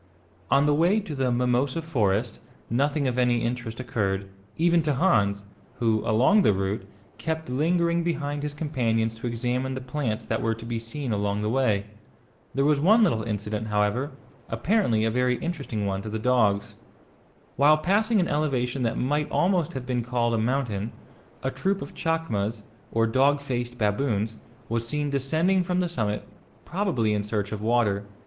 On the way to the mimosa forest nothing of any interest occurred, even to Hans, who, along the route, kept lingering behind his companions to examine the plants that were to be seen along the way. There was one little incident, however. Apparently a very interesting one to the dogs. While passing an elevation that might almost have been called a mountain, a troop of chacmas, or dog faced baboons was seen descending from the summit, probably in search of water.